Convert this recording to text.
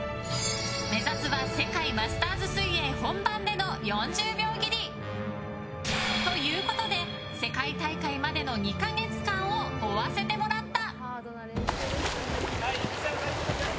目指すは世界マスターズ水泳本番での４０秒切り！ということで世界大会までの２か月間を追わせてもらった。